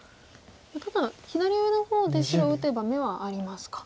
ただ左上の方で白打てば眼はありますか。